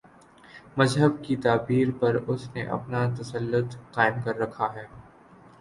مذہب کی تعبیر پر اس نے اپنا تسلط قائم کر رکھا ہے۔